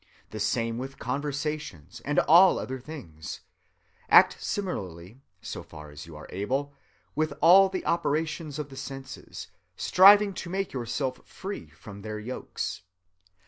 The same with conversations and all other things. Act similarly, so far as you are able, with all the operations of the senses, striving to make yourself free from their yokes.